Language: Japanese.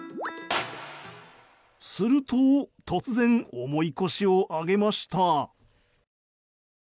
すると、突然重い腰を上げました。